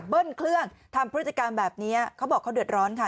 เครื่องทำพฤติกรรมแบบนี้เขาบอกเขาเดือดร้อนค่ะ